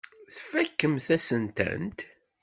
Tfakemt-asent-tent.